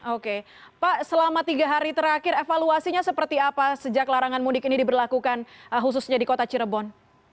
oke pak selama tiga hari terakhir evaluasinya seperti apa sejak larangan mudik ini diberlakukan khususnya di kota cirebon